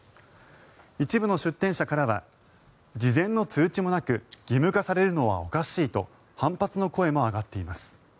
一部の出店者からは事前の通知もなく義務化されるのはおかしいと反発の声も上がっています。